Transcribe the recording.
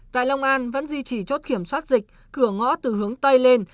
tại lâm đồng vẫn duy trì chốt kiểm soát dịch cửa ngõ từ hướng tây lên